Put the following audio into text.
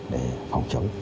để phòng chống